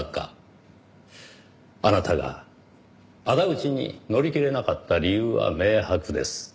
あなたが仇討ちに乗り気でなかった理由は明白です。